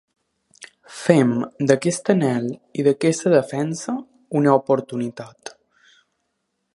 Fem d’aquest anhel i d’aquesta defensa una oportunitat.